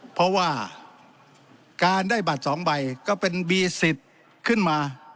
เพราะว่าการได้บัตร๒ใบก็เป็นบีสิทธิ์ขึ้นมา